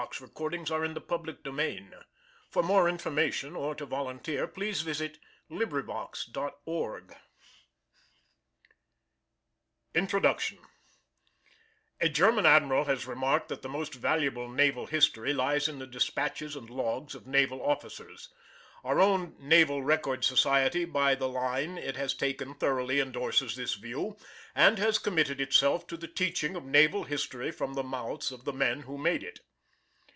TAYLOR WITH AN INTRODUCTION BY JULIAN CORBETT MAPS AND ILLUSTRATIONS LONDON JOHN MURRAY, ALBEMARLE STREET 1896 INTRODUCTION A German admiral has remarked that the most valuable naval history lies in the despatches and logs of naval officers. Our own Navy Record Society by the line it has taken thoroughly endorses this view, and has committed itself to the teaching of naval history from the mouths of the men who made it.